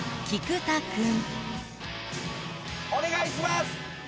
お願いします！